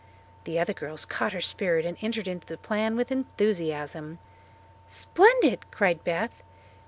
The other girls caught her spirit and entered into the plan with enthusiasm. "Splendid!" cried Beth.